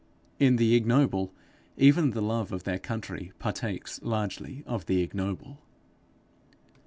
In the ignoble even the love of their country partakes largely of the ignoble.